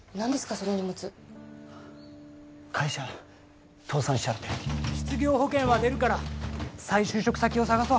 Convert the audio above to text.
その荷物会社倒産しちゃって失業保険は出るから再就職先を探そう